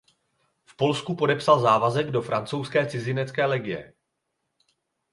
V Polsku podepsal závazek do francouzské Cizinecké legie.